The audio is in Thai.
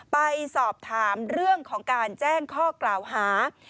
ไปสอบถามเรื่องของการแจ้งข้อกล่าวหา